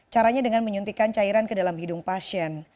caranya dengan menyuntikkan cairan ke dalam hidung pasien